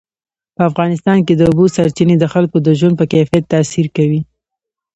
په افغانستان کې د اوبو سرچینې د خلکو د ژوند په کیفیت تاثیر کوي.